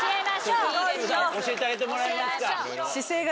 それじゃ教えてあげてもらえますか？